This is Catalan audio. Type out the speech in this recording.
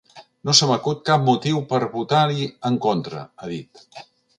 “No se m’acut cap motiu per votar-hi en contra”, ha dit.